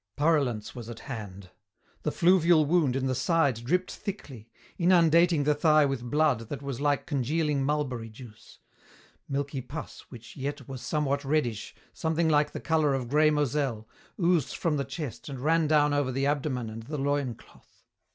Purulence was at hand. The fluvial wound in the side dripped thickly, inundating the thigh with blood that was like congealing mulberry juice. Milky pus, which yet was somewhat reddish, something like the colour of grey Moselle, oozed from the chest and ran down over the abdomen and the loin cloth.